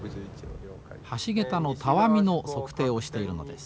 橋桁のたわみの測定をしているのです。